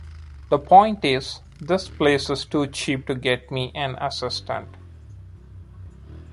The point is, this place is too cheap to get me an assistant.